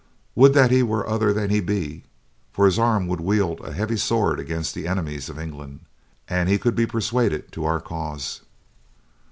Would that he were other than he be, for his arm would wield a heavy sword against the enemies of England, an he could be persuaded to our cause."